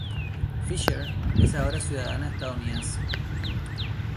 Fischer es ahora ciudadana estadounidense.